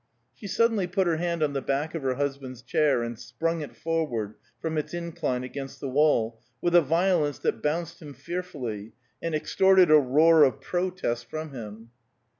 She suddenly put her hand on the back of her husband's chair, and sprung it forward from its incline against the wall, with a violence that bounced him fearfully, and extorted a roar of protest from him.